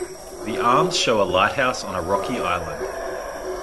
The arms show a lighthouse on a rocky island.